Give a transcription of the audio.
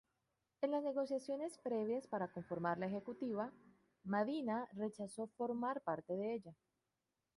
En las negociaciones previas para conformar la Ejecutiva, Madina rechazó formar parte de ella.